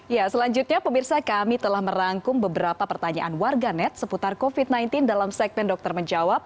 ya selanjutnya pemirsa kami telah merangkum beberapa pertanyaan warganet seputar covid sembilan belas dalam segmen dokter menjawab